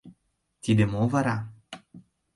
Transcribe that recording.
Тиде мо вара?